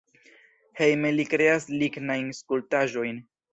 Hejme li kreas lignajn skulptaĵojn.